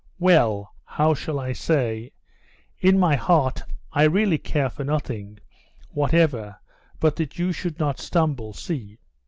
"Well, how shall I say?... In my heart I really care for nothing whatever but that you should not stumble—see?